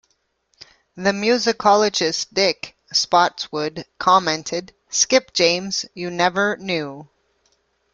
The musicologist Dick Spottswood commented, Skip James, you never knew.